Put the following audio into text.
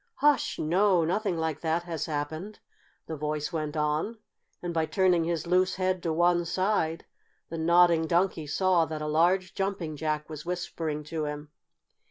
"Hush! No! Nothing like that has happened," the voice went on, and, by turning his loose head to one side, the Nodding Donkey saw that a large Jumping Jack was whispering to him.